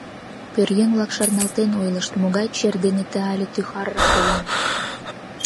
Пӧръеҥ-влак шарналтен ойлышт, могай чер дене ты але ту хӓрра колен.